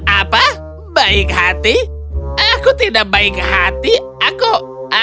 apa baik hati aku tidak baik hati aku adalah danis tuan